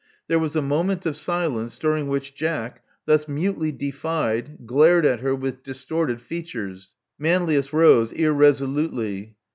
There was a moment of silence, during which Jack, thus mutely defied, glared at her with distorted features. Manlius rose irresolutely.